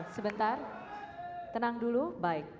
sebentar tenang dulu baik